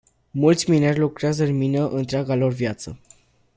Mulți mineri lucrează în mină întreaga lor viață.